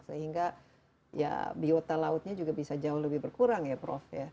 sehingga ya biota lautnya juga bisa jauh lebih berkurang ya prof ya